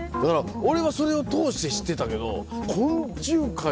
俺はそれを通して知ってたけど。